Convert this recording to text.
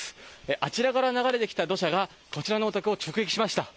あちらから流れてきた土砂がこちらのお宅を直撃しました。